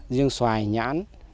riêng xoài nhãn